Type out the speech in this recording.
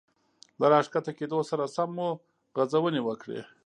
له را ښکته کېدو سره سم مو غځونې وکړې.